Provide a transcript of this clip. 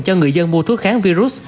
cho người dân mua thuốc kháng virus